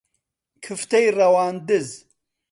کفتەی ڕەواندز